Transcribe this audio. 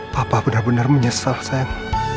papa benar benar menyesal saya